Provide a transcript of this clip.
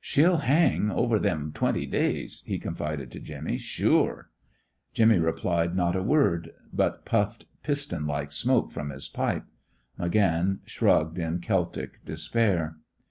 "She'll hang over thim twinty days," he confided to Jimmy. "Shure!" Jimmy replied not a word, but puffed piston like smoke from his pipe. McGann shrugged in Celtic despair.